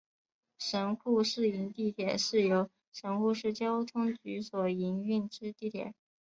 神户市营地铁是由神户市交通局所营运之地铁。